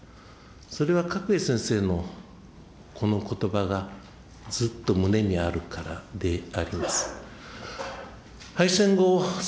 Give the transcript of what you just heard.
それは角栄先生のこのことばが、ずっと胸にあるからであります。